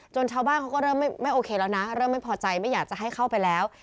ชาวบ้านเขาก็เริ่มไม่โอเคแล้วนะเริ่มไม่พอใจไม่อยากจะให้เข้าไปแล้ว